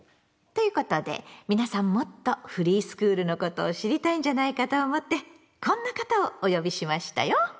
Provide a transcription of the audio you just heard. ということで皆さんもっとフリースクールのことを知りたいんじゃないかと思ってこんな方をお呼びしましたよ。